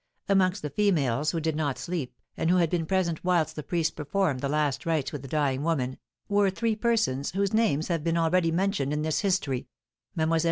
Amongst the females who did not sleep, and who had been present whilst the priest performed the last rites with the dying woman, were three persons whose names have been already mentioned in this history, Mlle.